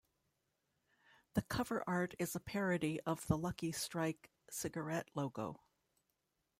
The cover art is a parody of the Lucky Strike cigarette logo.